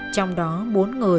trong đó bốn người chịu cảnh tội tội